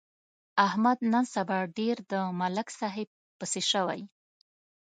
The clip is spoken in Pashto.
احمد نن سبا ډېر د ملک صاحب پسې شوی.